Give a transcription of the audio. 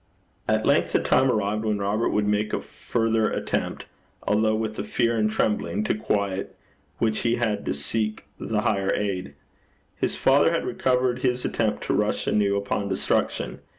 At length the time arrived when Robert would make a further attempt, although with a fear and trembling to quiet which he had to seek the higher aid. His father had recovered his attempt to rush anew upon destruction.